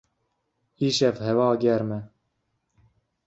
Îşev hewa germ e.